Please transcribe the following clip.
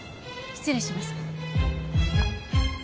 失礼します。